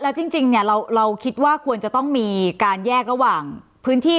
แล้วจริงเนี่ยเราคิดว่าควรจะต้องมีการแยกระหว่างพื้นที่